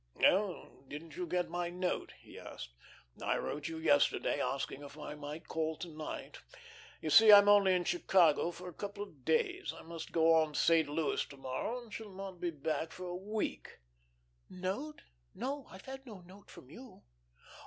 "Oh, didn't you get my note?" he asked. "I wrote you yesterday, asking if I might call to night. You see, I am only in Chicago for a couple of days. I must go on to St. Louis to morrow, and shall not be back for a week." "Note? No, I've had no note from you.